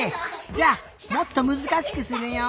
じゃあもっとむずかしくするよ。